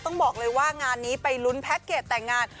ต้องบอกเลยว่างานนี้ไปลุ้นแพ็คเกจแต่งงาน